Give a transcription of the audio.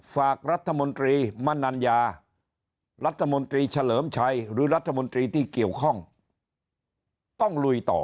ฝากรัฐมนตรีมนัญญารัฐมนตรีเฉลิมชัยหรือรัฐมนตรีที่เกี่ยวข้องต้องลุยต่อ